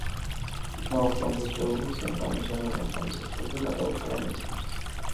დიდმა ოქტომბრის რევოლუციამ განუზომელი ახალი შესაძლებლობები გადაუშალა მეცნიერს.